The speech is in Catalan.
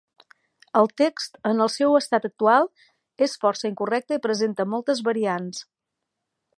El text en el seu estat actual és força incorrecte i presenta moltes variants.